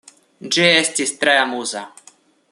Ĝi estis tre amuza.